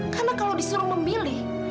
karena kalau disuruh memilih